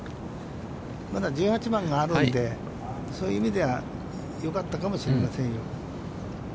まだ１８番があるので、そういう意味ではよかったかもしれませんよ。